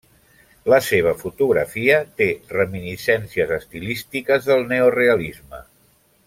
La seva fotografia té reminiscències estilístiques del neorealisme.